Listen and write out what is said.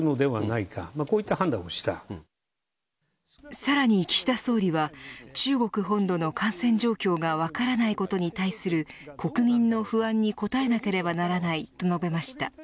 さらに岸田総理は中国本土の感染状況が分からないことに対する国民の不安に応えなければならないと述べました。